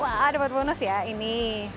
wah dapat bonus ya ini